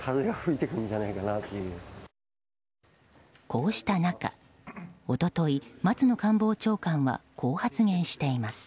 こうした中一昨日、松野官房長官はこう発言しています。